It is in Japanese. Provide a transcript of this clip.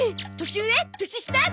年下？